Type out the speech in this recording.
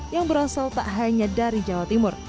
yang berasal tak hanya dari jawa timur